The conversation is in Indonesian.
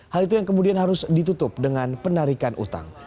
hal itu yang kemudian harus ditutup dengan penarikan utang